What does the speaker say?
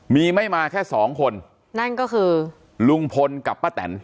มีไม่มาแค่สองคนนั่นก็คือลุงพลกับป้าแตน